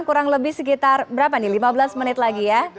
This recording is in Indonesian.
kurang lebih sekitar berapa nih lima belas menit lagi ya